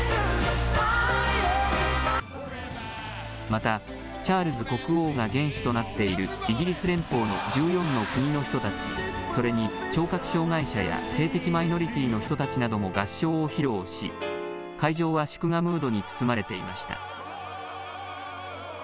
またチャールズ国王が元首となっているイギリス連邦の１４の国の人たち、それに聴覚障害者や性的マイノリティーの人たちなども合唱を披露し会場は祝賀ムードに包まれていました。